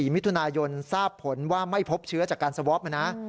มิถุนายนทราบผลว่าไม่พบเชื้อจากการสวอปมานะ